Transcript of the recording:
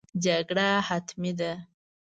جګړه حتمي ده.